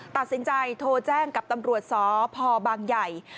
ตัดสินใจโทรแจ้งกับตำรวจสพบางใหญ่